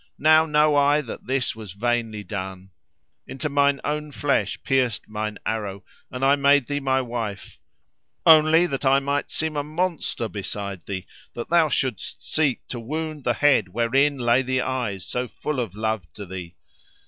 Now know I that this was vainly done. Into mine own flesh pierced mine arrow, and I made thee my wife, only that I might seem a monster beside thee—that thou shouldst seek to wound the head wherein lay the eyes so full of love to thee!